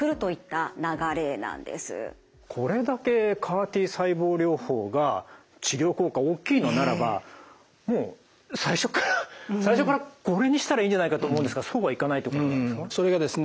これだけＣＡＲ−Ｔ細胞療法が治療効果大きいのならば最初からこれにしたらいいんじゃないかと思うんですがそうはいかないところなんですか？